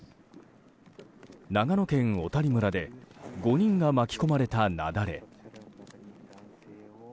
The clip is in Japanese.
長野県小谷村で５人が巻き込まれた雪崩。